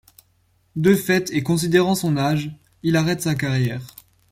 De fait et considérant son âge, il arrête sa carrière.